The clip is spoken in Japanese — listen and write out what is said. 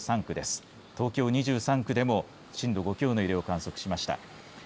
東京２３区でも震度５強の揺れを観測しました。